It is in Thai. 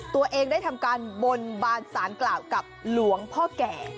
ตัวเองได้ทำการบนบานสารกล่าวกับหลวงพ่อแก่